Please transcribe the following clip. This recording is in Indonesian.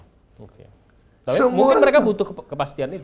tapi mungkin mereka butuh kepastian itu